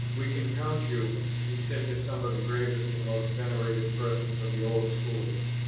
"We can count you," he said to some of the gravest and most venerated persons of the old school.